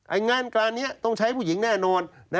งานการนี้ต้องใช้ผู้หญิงแน่นอน